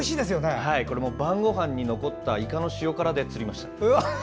晩ごはんに残ったイカの塩辛で釣りました。